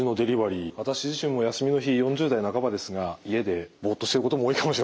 私自身も休みの日４０代半ばですが家でボッとしてることも多いかもしれません。